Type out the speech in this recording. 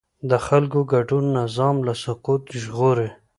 د خلکو ګډون نظام له سقوطه ژغوري